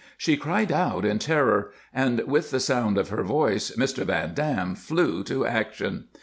She cried out in terror, and with the sound of her voice Mr. Van Dam flew to action.